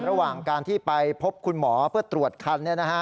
ระหว่างการที่ไปพบคุณหมอเพื่อตรวจคัน